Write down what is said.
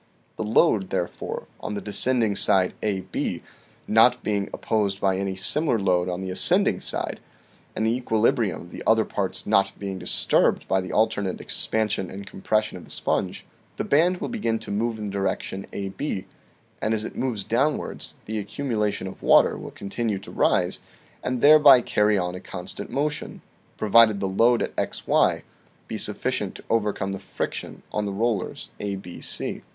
The load, therefore, on the descending side AB, not being op posed by any similar load on the ascending side, and the equilibrium of the other parts not being disturbed by the alternate expansion and compression of the sponge, the band will begin to move in the direction AB; and as it moves downwards, the accumulation of water will continue to rise, and thereby carry on a constant motion, provided the load at xy be sufficient to overcome the friction on the rollers ABC.